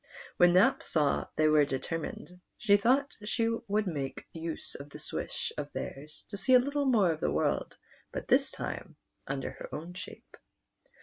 When Nap saw they were deter mined, she thought she would make use of this wish of theirs to see a little more of the world, but this time under her own shape.